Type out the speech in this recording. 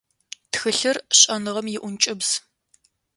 Тхылъыр - шӏэныгъэм иӏункӏыбз.